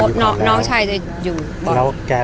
ภาษาสนิทยาลัยสุดท้าย